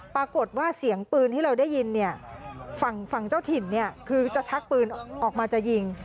ปรากฏว่าเสียงปืนที่เราได้ยินเนี่ยฝั่งเจ้าถิ่นคือจะชักปืนออกมาจะยิง